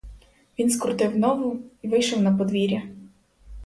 Він скрутив нову й вийшов на подвір'я.